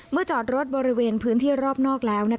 จอดรถบริเวณพื้นที่รอบนอกแล้ว